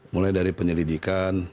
mulai dari penyelidikan